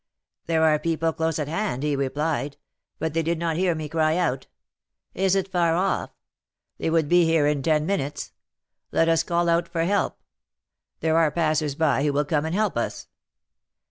'There are people close at hand,' he replied; 'but they did not hear me cry out.' 'Is it far off?' 'They would be here in ten minutes.' 'Let us call out for help; there are passers by who will come and help us.'